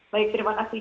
baik terima kasih